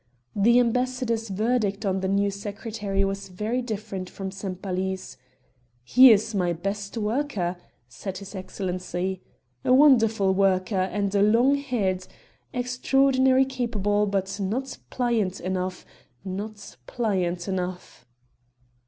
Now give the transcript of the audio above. The ambassador's verdict on the new secretary was very different from Sempaly's. "He is my best worker," said his excellency: "A wonderful worker, and a long head extraordinarily capable; but not pliant enough not pliant enough...."